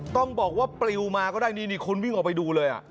ต้องบอกว่าปลิวมาก็ได้นี่คุณวิ่งออกไปดูเลย